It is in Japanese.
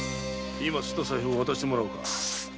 今すった財布を渡してもらおうか。